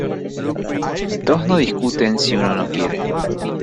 Dos no discuten si uno no quiere.